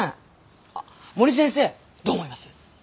あっ森先生どう思います？